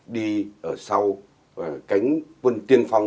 đi ở sau cánh quân tiên phong